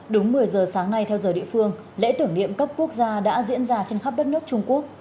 đúng một mươi giờ sáng nay theo giờ địa phương lễ tưởng niệm cấp quốc gia đã diễn ra trên khắp thành phố